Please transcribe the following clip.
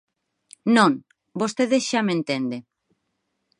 Non, vostede xa me entende.